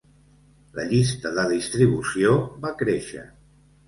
La llista de distribució va créixer.